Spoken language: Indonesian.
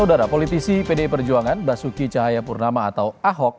saudara politisi pdi perjuangan basuki cahayapurnama atau ahok